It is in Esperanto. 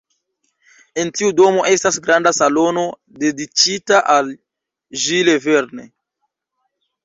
En tiu domo estas granda salono dediĉita al Jules Verne.